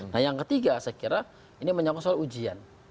nah yang ketiga saya kira ini menyangkut soal ujian